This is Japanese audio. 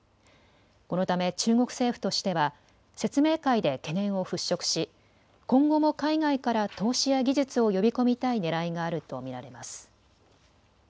このため中国政府としては説明会で懸念を払拭し今後も海外から投資や技術を呼び込みたいねらいがあると見られます。